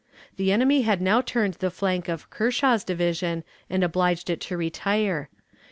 The enemy had now turned the flank of Kershaw's division and obliged it to retire.